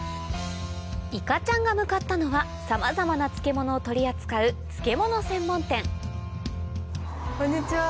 いかちゃんが向かったのはさまざまな漬物を取り扱う漬物専門店こんにちは。